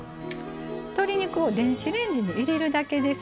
鶏肉を電子レンジに入れるだけです。